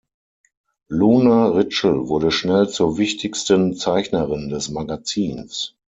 Lona Rietschel wurde schnell zur wichtigsten Zeichnerin des Magazins.